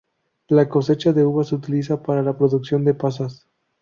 La cosecha de uva se utiliza para la producción de pasas.